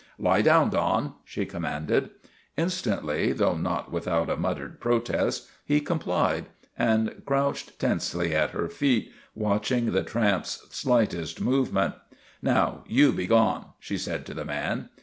" Lie down, Don/' she commanded. Instantly, though not without a muttered protest, he complied, and crouched tensely at her feet, watch ing the tramp's slightest movement. ' Now you begone," she said to the man.